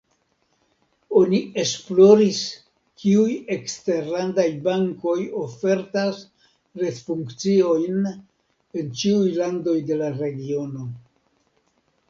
Oni esploris kiuj eksterlandaj bankoj ofertas retfunkciojn en ĉiuj landoj de la regiono.